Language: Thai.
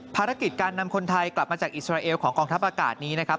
ภารกิจการนำคนไทยกลับมาจากอิสราเอลของกองทัพอากาศนี้นะครับ